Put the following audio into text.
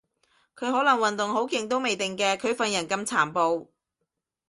佢可能運動好勁都未定嘅，佢份人咁殘暴